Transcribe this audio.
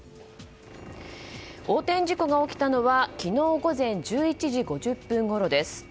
横転事故が起きたのは昨日午前１１時５０分ごろです。